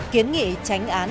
kiến nghị tránh án